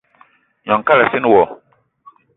Gnong kalassina wo.